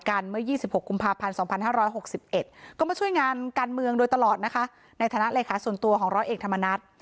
การเมืองโดยตลอดนะคะในฐานะเลยคาส่วนตัวของร้อยเอกธรรมนัก